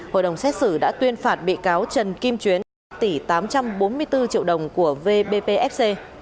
hội đồng xét xử đã tuyên phạt bị cáo trần kim chiến tỷ tám trăm bốn mươi bốn triệu đồng của vbpfc